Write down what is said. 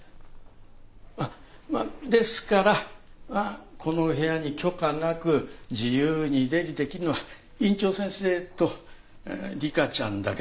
あっまあですからこの部屋に許可なく自由に出入りできるのは院長先生と理香ちゃんだけで。